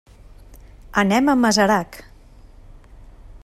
Anem a Masarac.